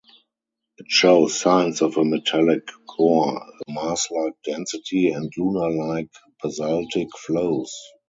It shows signs of a metallic core, a Mars-like density and lunar-like basaltic flows.